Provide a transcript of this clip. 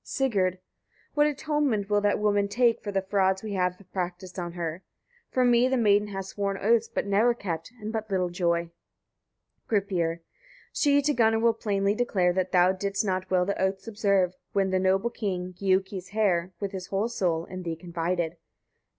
Sigurd. 46. What atonement will that woman take, for the frauds we shall have practised on her? From me the maiden has oaths sworn, but never kept, and but little joy. Gripir. 47. She to Gunnar will plainly declare, that thou didst not well the oaths observe, when the noble king, Giuki's heir, with his whole soul, in thee confided.